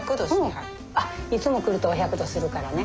いつも来るとお百度するからね。